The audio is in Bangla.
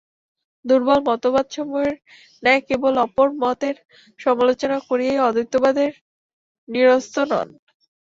দুর্বল মতবাদসমূহের ন্যায় কেবল অপর মতের সমালোচনা করিয়াই অদ্বৈতবাদী নিরস্ত নন।